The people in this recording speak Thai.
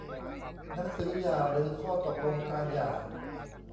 หนังสือหย่าหรือข้อตกลงการหย่า